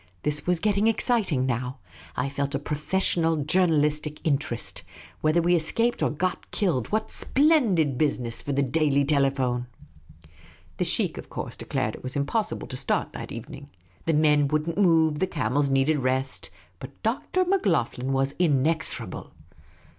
This was getting ex citing now. I felt a professional journalistic interest. Whether we escaped or got killed, what splendid business for the Daily Telephone I The sheikh, of course, declared it was impossible to start that evening. The men would n't move — the camels needed rest. But Dr. Macloghlen was inexorable.